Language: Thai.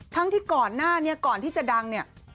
ทั้งที่ก่อนหน้านี้ก่อนที่จะดังเนี่ย